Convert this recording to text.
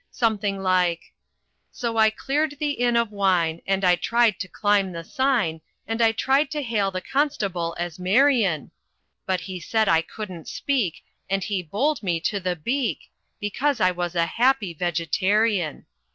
Something like — "So I cleared the inn of wine, And I tried to climb the Sign ; And I tried to hail the constable as 'Marion'; But he said I couldn't speak, And he bowled me to the Beak, Because I was a Happy Vegetarian."